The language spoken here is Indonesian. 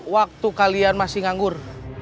waktu kalian masih nganggur